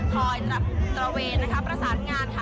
ตระเวนนะคะประสานงานค่ะ